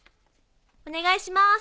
お願いします。